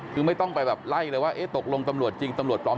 คือไม่ต้องไปแบบไล่เลยว่าเอ๊ะตกลงตำรวจจริงตำรวจปลอม